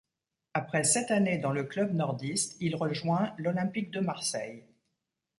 Après sept années dans le club nordiste, il rejoint l'Olympique de Marseille.